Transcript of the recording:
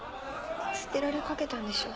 捨てられかけたんでしょ？